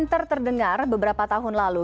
kita masih terdengar beberapa tahun lalu